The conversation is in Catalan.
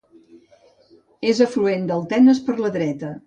És afluent del Tenes per la dreta.